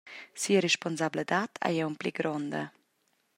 Sia responsabladad ei aunc pli gronda.